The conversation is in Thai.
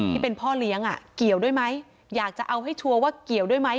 ที่เป็นพ่อเลี้ยงเกี่ยวด้วยไหมอยากจะเอาให้ชัวร์ว่าเกี่ยวด้วยไหม